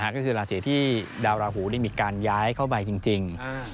ก็คือราศีที่ดาวราหูได้มีการย้ายเข้าไปจริง